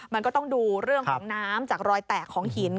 มันก็ต้องดูเรื่องของน้ำจากรอยแตกของหิน